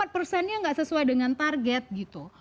lima puluh empat persennya yang tidak sesuai dengan target gitu